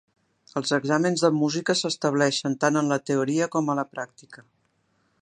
Els exàmens de música s'estableixen tant en la teoria com a la pràctica.